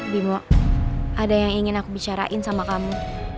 bimo ada yang ingin aku bicarain sama kamu